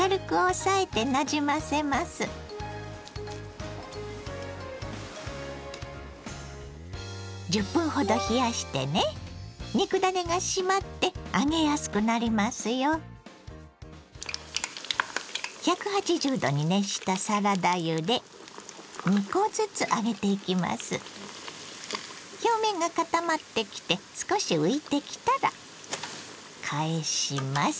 表面が固まってきて少し浮いてきたら返します。